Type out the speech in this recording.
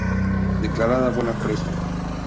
Declarada Buena Presa.